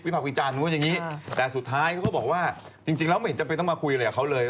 วิภาพวิจารณ์แต่สุดท้ายเขาก็บอกจริงแล้วไม่จำเป็นต้องมาคุยอะไรกับเขาเลย